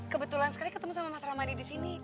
kebetulan sekali ketemu sama mas ramadi disini